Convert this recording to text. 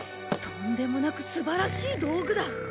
とんでもなく素晴らしい道具だ。